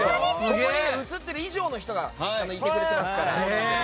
ここに映っている以上の人がいてくれてますから。